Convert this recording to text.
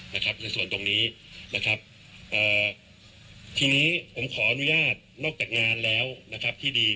ในส่วนตรงนี้นะครับเอ่อทีนี้ผมขออนุญาตนอกจากงานแล้วนะครับที่ดี